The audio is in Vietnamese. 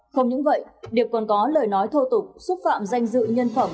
không những vậy điệp còn có lời nói thô tục xúc phạm danh dự nhân phẩm